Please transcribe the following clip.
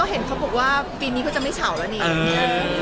เห็นเขาบอกว่าปีนี้ก็จะไม่เฉาแล้วนี่